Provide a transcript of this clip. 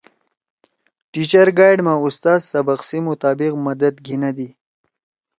ٹیچر گائیڈ ما اُستاد سبق سی مطابق مدد گھیِنَدی۔